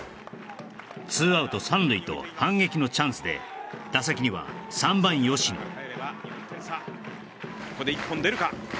２アウト３塁と反撃のチャンスで打席には３番・吉野ここで１本出るか？